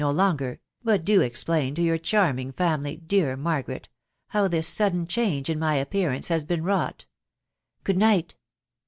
no longer .... 1ml; do explain to your flharmirig family, dear Margaret ! how this sudden change r» my appearance has heen wretight> ..♦. Good night